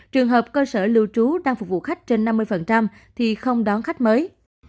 trường hợp cơ sở lưu trú đang phục vụ khách trên năm mươi thì không đón khách mới